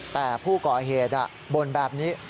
แต่ผู้ก่อเหตุบ่นแบบนี้